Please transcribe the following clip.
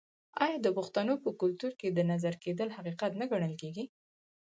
آیا د پښتنو په کلتور کې د نظر کیدل حقیقت نه ګڼل کیږي؟